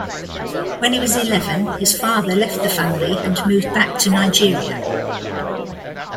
When he was eleven, his father left the family and moved back to Nigeria.